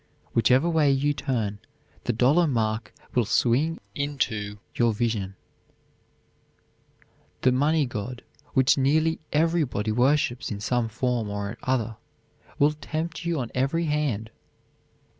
Whichever way you turn, the dollar mark will swing info your vision. The money god, which nearly everybody worships in some form or other, will tempt you on every hand.